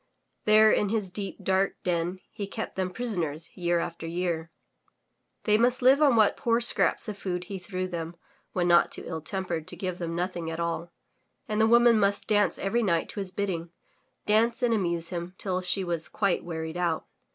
There in his deep, dark den he kept them prisoners year after year. They must live on what poor scraps of food he threw them when not too ill tempered to give them nothing at all, and the woman must dance every night to his bidding, dance and amuse him till she was quite wearied out.